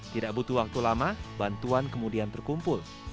tidak butuh waktu lama bantuan kemudian terkumpul